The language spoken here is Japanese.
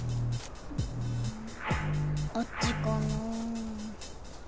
あっちかなあ。